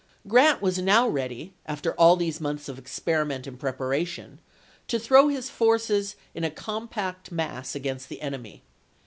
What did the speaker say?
Grant was now ready, after all these months of experiment and preparation, to throw his forces in a compact mass against the enemy.